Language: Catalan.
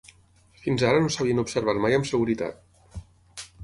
Fins ara no s’havien observat mai amb seguretat.